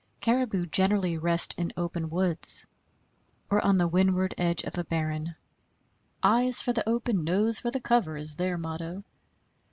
Caribou generally rest in open woods or on the windward edge of a barren. Eyes for the open, nose for the cover, is their motto.